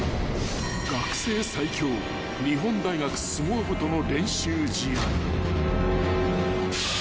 ［学生最強日本大学相撲部との練習試合］